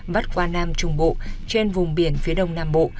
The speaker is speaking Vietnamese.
vắt qua nam trung bộ trên vùng biển phía đông nam bộ